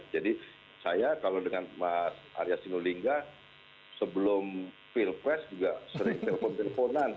jadi saya kalau dengan mas arya sinulinga sebelum pilpres juga sering telpon telponan